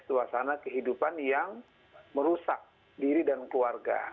suasana kehidupan yang merusak diri dan keluarga